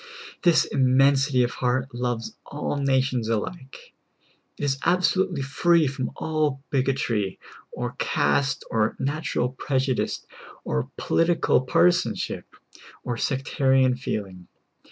This immensity of heart loves all nations alike ; it is absolutely free from all bigotry, or caste, or nat ural prejudice, or political partisanship, or sectarian feeling.